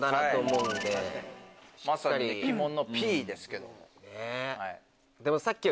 まさに鬼門の「Ｐ」ですけども。